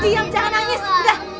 diam jangan nangis udah